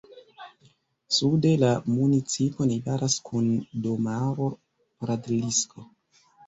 Sude la municipo najbaras kun domaro Pradlisko.